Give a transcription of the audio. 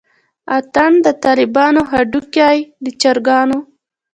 اتڼ دطالبانو هډوکے دچرګانو